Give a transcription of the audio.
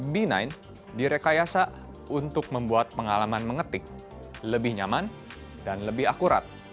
b sembilan direkayasa untuk membuat pengalaman mengetik lebih nyaman dan lebih akurat